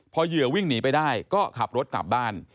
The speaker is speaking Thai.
พอเหยื่อวิ่งหนีไปได้ก็ขับรถกลับบ้าน